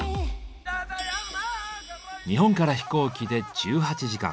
日本から飛行機で１８時間。